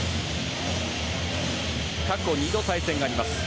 過去２度、対戦があります。